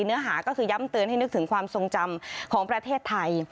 เนื้อหาก็คือย้ำเตือนให้นึกถึงความทรงจำของประเทศไทย